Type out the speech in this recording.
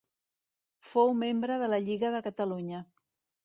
Fou membre de la Lliga de Catalunya.